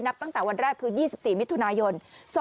นับตั้งแต่วันแรกคือ๒๔มิทุนายน